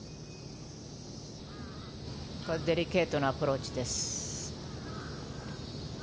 デリケートなアプローチです。